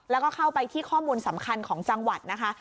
แล้วก็เข้าไปที่ข้อมูลสำคัญของจังหวัดนะคะ